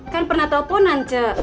kan pernah teleponan c